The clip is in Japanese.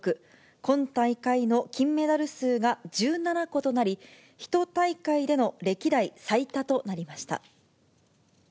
今大会の金メダル数が１７個となり、１大会での歴代最多となりました。